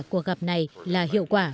cuộc gặp này là hiệu quả